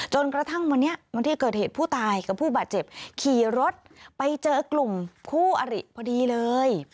จนกระทั่งวันนี้วันที่เกิดเหตุผู้ตายกับผู้บาดเจ็บขี่รถไปเจอกลุ่มคู่อริพอดีเลย